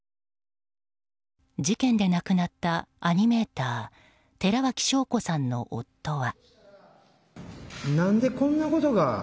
事件で亡くなったアニメーター寺脇晶子さんの夫は。